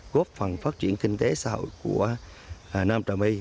góp phần phát triển kinh tế xã hội của nam trà my